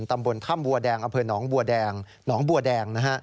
ตำบลท่ำบัวแดงอนบัวแดง